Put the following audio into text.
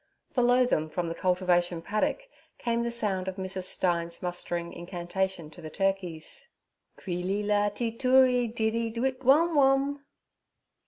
Below them from the cultivation paddock came the sound of Mrs. Stein's mustering incantation to the turkeys. 'Cri li lati turii didi wit wom wom.'